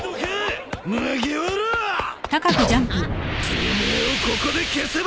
てめえをここで消せば！